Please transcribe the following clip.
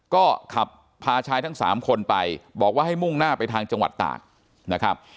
ก็ขับพาชายทั้งสามคนไปบอกว่าให้มุ่งหน้าไปทางจังหวัดตากนะครับ